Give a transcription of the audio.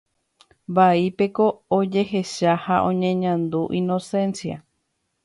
Vaípeko ojehecha ha oñeñandu Inocencia.